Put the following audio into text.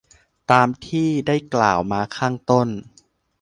ตามที่ได้กล่าวมาข้างต้น